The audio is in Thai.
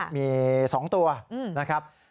มี๒ตัวนะครับ